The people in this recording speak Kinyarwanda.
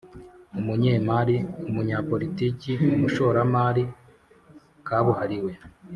umunyemari, umunyapoliti, umushoramari kabuhariwe